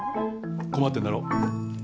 困ってんだろ？